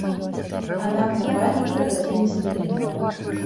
Аднак нападнікаў гэта не спыніла.